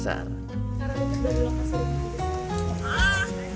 sekarang kita sudah di lokasi ini